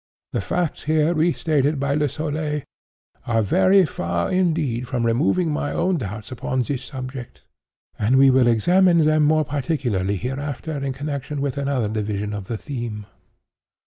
The facts here re stated by Le Soleil, are very far indeed from removing my own doubts upon this subject, and we will examine them more particularly hereafter in connexion with another division of the theme.